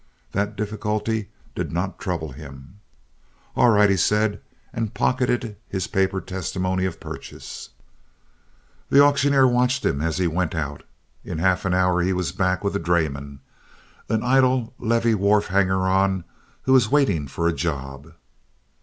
That difficulty did not trouble him. "All right," he said, and pocketed his paper testimony of purchase. The auctioneer watched him as he went out. In half an hour he was back with a drayman—an idle levee wharf hanger on who was waiting for a job.